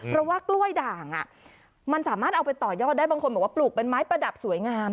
เพราะว่ากล้วยด่างมันสามารถเอาไปต่อยอดได้บางคนบอกว่าปลูกเป็นไม้ประดับสวยงาม